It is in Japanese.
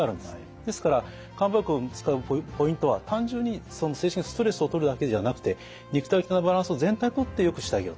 ですから漢方薬を使うポイントは単純に精神的なストレスをとるだけではなくて肉体的なバランスを全体にとってよくしてあげようと。